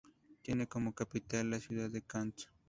Tiene como capital la ciudad de Kant.